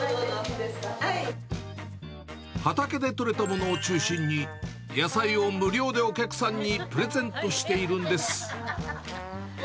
畑で取れたものを中心に、野菜を無料でお客さんにプレゼントしているんです。